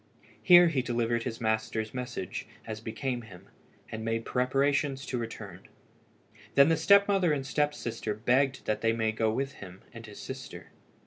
Here he delivered his master's message, as became him, and made preparations to return. Then the step mother and step sister begged that they might go with him and his sister.